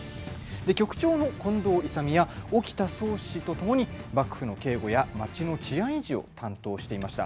局長の近藤勇や沖田総司とともに幕府の警護や街の治安維持を担当していました。